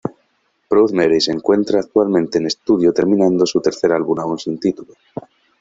Proud Mary se encuentra actualmente en estudio terminando su tercer álbum aún sin título.